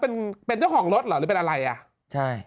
เป็นเจ้าของรถหรอหรือเป็นอะไร